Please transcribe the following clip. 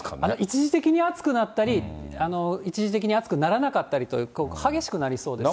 一時的に暑くなったり、一時的に暑くならなかったりと、激しくなりそうですね。